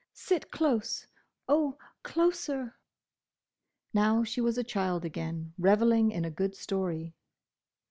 "Sit close! Oh, closer!" Now she was a child again, revelling in a good story.